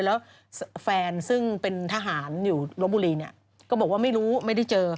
แล้วแฟนซึ่งเป็นทหารอยู่ลบบุรีเนี่ยก็บอกว่าไม่รู้ไม่ได้เจอ